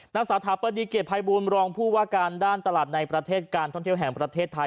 สถาปดีเกียรติภัยบูรรองผู้ว่าการด้านตลาดในประเทศการท่องเที่ยวแห่งประเทศไทย